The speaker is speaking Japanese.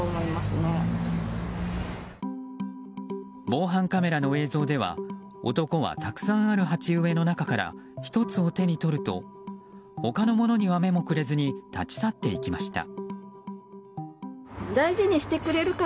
防犯カメラの映像では男はたくさんある鉢植えの中から１つを手に取ると他のものには目もくれずに立ち去っていきました。